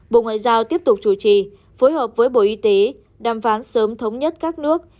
bộ ngoại giao tiếp tục chủ trì phối hợp với bộ y tế đàm phán sớm thống nhất các nước